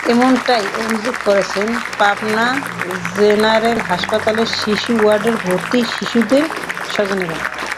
এমনটাই অভিযোগ করেছেন পাবনা জেনারেল হাসপাতালের শিশু ওয়ার্ডে ভর্তি শিশুদের স্বজনেরা।